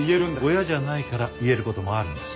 親じゃないから言える事もあるんです。